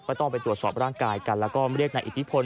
ต้องไปตรวจสอบร่างกายกันแล้วก็เรียกนายอิทธิพล